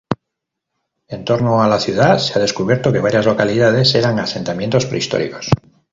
En torno a la ciudad se ha descubierto que varias localidades eran asentamientos prehistóricos.